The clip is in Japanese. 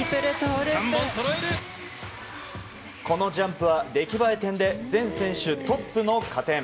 このジャンプは出来栄え点で全選手トップの加点。